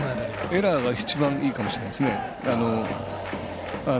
エラーが一番いいかもしれないですね。